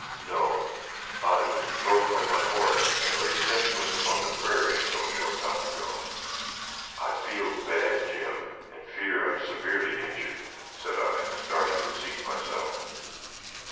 "No; I was thrown from my horse, and lay senseless upon the prairie until a short time ago. I feel bad, Jim, and fear I am severely injured," said I, starting to seat myself.